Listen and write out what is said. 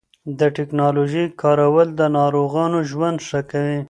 د ټېکنالوژۍ کارول د ناروغانو ژوند ښه کوي.